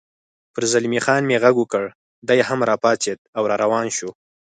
پر زلمی خان مې غږ وکړ، دی هم را پاڅېد او روان شو.